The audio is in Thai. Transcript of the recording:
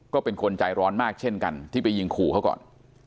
ก็เป็นคนใจร้อนมากเช่นกันที่ไปยิงขู่เขาก่อน